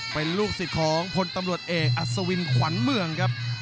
เป็นลูกศิษย์ของพลตำรวจเอกอัศวินขวัญเมืองครับ